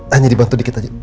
hanya dibantu dikit aja